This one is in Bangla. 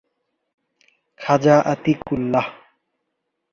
খাজা আতিকুল্লাহ